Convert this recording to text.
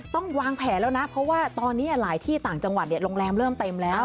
ต้องวางแผนแล้วนะเพราะว่าตอนนี้หลายที่ต่างจังหวัดโรงแรมเริ่มเต็มแล้ว